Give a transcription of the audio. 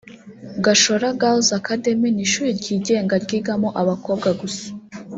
" Gashora Girls Academy ni ishuri ryigenga ryigamo abakobwa gusa